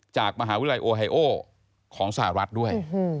จากมหาวิทยาลัยโอไฮโอของสหรัฐด้วย